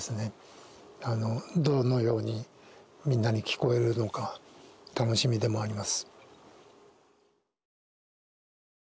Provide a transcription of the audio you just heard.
どのようにみんなに聞こえるのか楽しみでもあります。